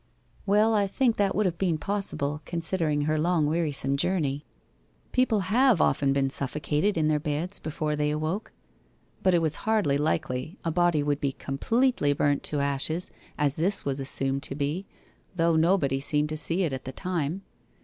'Well, I think that would have been possible, considering her long wearisome journey. People have often been suffocated in their beds before they awoke. But it was hardly likely a body would be completely burnt to ashes as this was assumed to be, though nobody seemed to see it at the time.